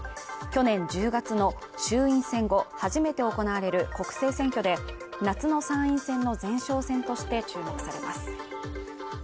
去年１０月の衆院選後初めて行われる国政選挙で夏の参院選の前哨戦として注目されます